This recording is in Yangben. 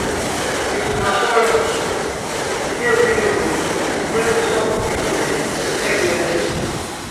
Kikuma kɔ́ ɔlɔŋɔ kíɛ́píkɛkɛlitɛ kiɛ́nɛ sɔ́kɔ́ kikumɛ ɛ́kiɛ́nɛ.